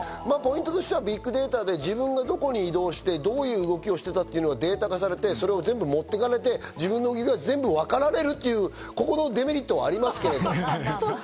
ビッグデータで自分がどこに移動してどういう動きをしていたかデータ化されて、それを全部持って行かれて自分の動きを全部わかられるデメリットはありますけど。